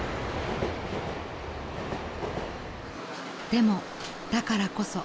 ［でもだからこそ